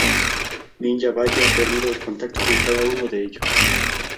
Ninja Valle ha perdido el contacto con cada uno de ellos.